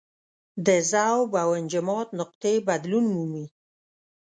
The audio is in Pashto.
د ذوب او انجماد نقطې بدلون مومي.